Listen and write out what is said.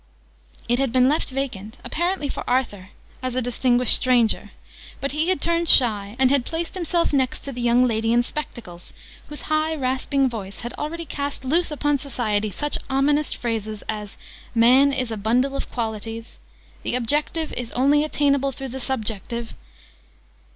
It had been left vacant apparently for Arthur, as a distinguished stranger: but he had turned shy, and had placed himself next to the young lady in spectacles, whose high rasping voice had already cast loose upon Society such ominous phrases as "Man is a bundle of Qualities!", "the Objective is only attainable through the Subjective!".